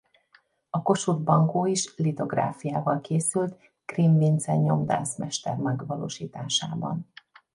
A Kossuth-bankó is litográfiával készült Grimm Vince nyomdász mester megvalósításában.